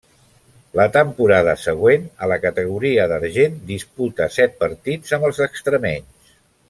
La temporada següent, a la categoria d'argent, disputa set partits amb els extremenys.